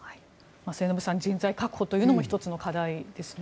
末延さん人材確保というのも１つの課題ですね。